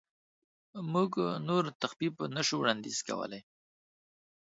موږ نور تخفیف نشو وړاندیز کولی.